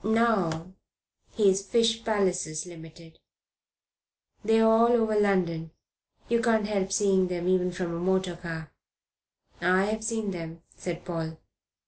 Now he's 'Fish Palaces, Limited.' They're all over London. You can't help seeing them even from a motor car." "I've seen them," said Paul.